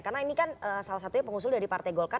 karena ini kan salah satunya pengusul dari partai golkar